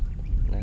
không đủ khó khăn